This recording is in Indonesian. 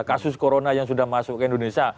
kasus corona yang sudah masuk ke indonesia